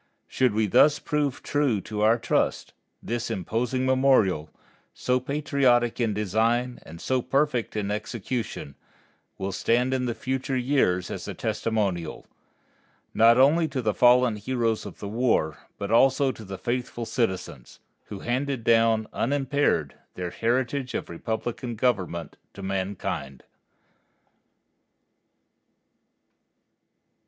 Should we thus prove true to our trust, this imposing memorial, so patriotic in design, and so perfect in execution, will stand in future years as a testimonial, not only to the fallen heroes of the war, but also to the faithful citizens, who handed down unimpaired their heritage of republican government to mankind.